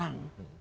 apa yang terjadi